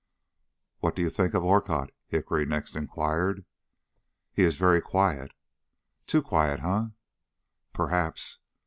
"What do you think of Orcutt?" Hickory next inquired. "He is very quiet." "Too quiet, eh?" "Perhaps.